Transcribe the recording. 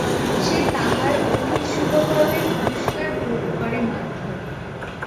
সে তাহার অতীত শুভকর্মের পুরস্কার ভোগ করে মাত্র।